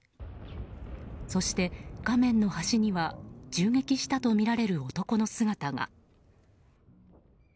そして、画面の端には銃撃したとみられる男の姿が。